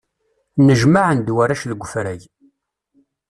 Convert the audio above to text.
Nnejmaɛen-d warrac deg ufrag.